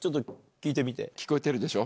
聞こえてるでしょ？